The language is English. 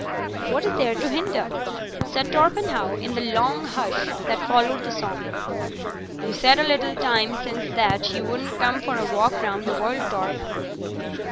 "What is there to hinder?" said Torpenhow, in the long hush that followed the song. "You said a little time since that you wouldn't come for a walk round the world, Torp."